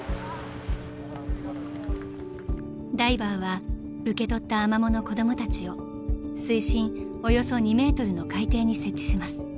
［ダイバーは受け取ったアマモの子供たちを水深およそ２ｍの海底に設置します］